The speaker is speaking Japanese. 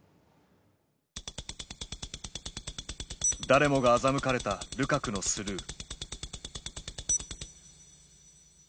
誰もが欺かれたルカクのスルー。